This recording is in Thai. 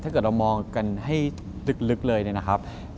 ถ้าเกิดเรามองกันให้ลึกเลยเนี่ยนะครับ